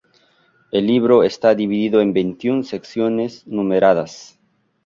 El libro está dividido en veintiún secciones numeradas.